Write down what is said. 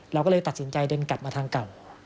เราก็เลยตัดสินใจเดินกลับมาทางเก่า